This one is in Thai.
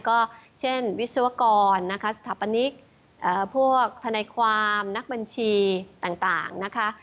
ก็เช่นวิศวกรนะคะสถาปนิกพวกธนายความนักบัญชีต่างนะคะ